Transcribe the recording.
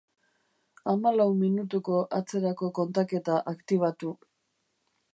Hamalau minutuko atzerako kontaketa aktibatu.